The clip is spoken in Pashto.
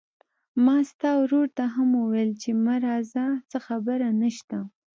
ما ستا ورور ته هم وويل چې ما راځه، څه خبره نشته.